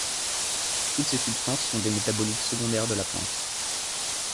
Toutes ces substances sont des métabolites secondaires de la plante.